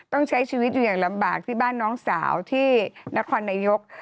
ต้องใช้ชีวิตอยู่อย่างลำบากที่บ้านน้องสาวที่นครนายก